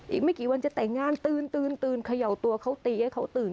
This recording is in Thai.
อีกไม่กี่วันจะแต่งงานตื่นเขย่าตัวเขาตีให้เขาตื่น